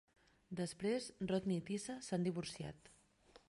Després, Rodney i Tisa s'han divorciat.